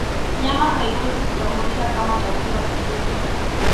Nyama haiwezi kutambulika kama chakula kikuu